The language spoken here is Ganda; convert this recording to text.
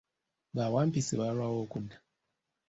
Bawampisi baalwawo okudda.